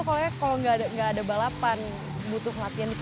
kalau gak ada balapan butuh latihan di sini